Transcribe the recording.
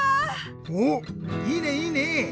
おっいいねいいね！